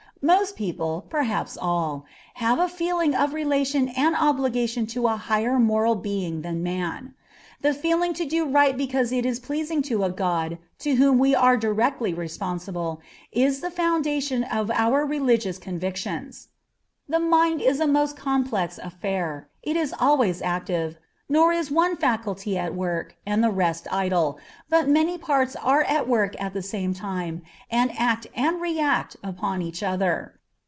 Most people, perhaps all, have a feeling of relation and obligation to a higher moral being than man. The feeling to do right because it is pleasing to a God to whom we are directly responsible, is the foundation of our religious convictions. The mind is a most complex affair, it is always active, nor is one faculty at work and the rest idle, but many parts are at work at the same time, and act and react upon each other.